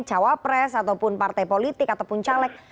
cawa pres ataupun partai politik ataupun caleg